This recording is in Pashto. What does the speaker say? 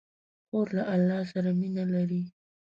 خور له الله سره مینه لري.